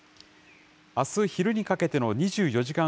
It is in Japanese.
あす昼にかけての２４時間